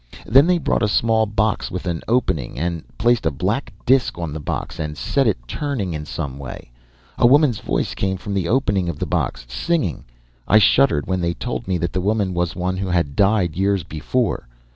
Then they brought a small box with an opening and placed a black disk on the box, and set it turning in some way. A woman's voice came from the opening of the box, singing. I shuddered when they told me that the woman was one who had died years before.